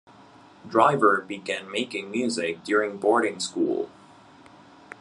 Driver began making music during boarding school.